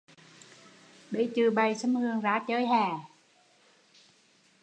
Bây chừ bày xâm hường ra chơi